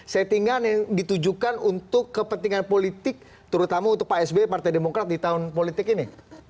settingan yang ditujukan untuk kepentingan politik terutama untuk pak sby partai demokrat di tahun politik ini